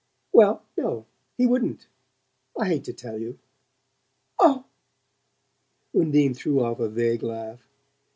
"Well, no. He wouldn't. I hate to tell you." "Oh " Undine threw off a vague laugh.